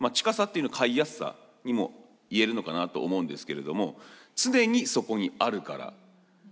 近さっていうのは買いやすさにも言えるのかなと思うんですけれども常にそこにあるから。